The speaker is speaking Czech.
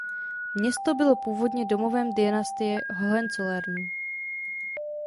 Město bylo původním domovem dynastie Hohenzollernů.